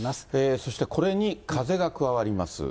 そしてこれに風が加わります。